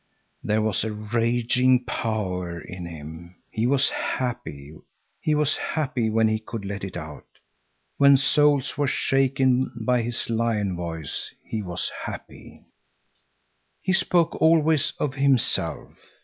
There was a raging power in him. He was happy when he could let it out. When souls were shaken by his lion voice, he was happy. He spoke always of himself.